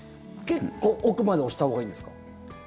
結構奥まで押したほうがいいんですか？